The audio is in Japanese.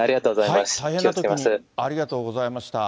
ありがとうございます。